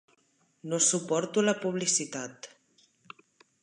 No suporto la publicitat.